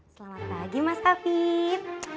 selamat pagi mas afif